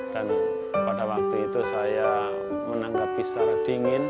dan pada waktu itu saya menanggapi secara dingin